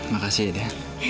makasih ya tia